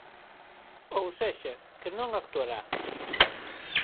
Ou sexa, que non actuará.